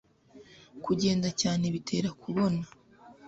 kugenda cyane bitera kubona